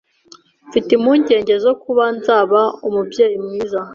Mfite impungenge zo kuba nzaba umubyeyi mwiza